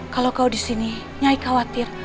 kalau kau disini nyai khawatir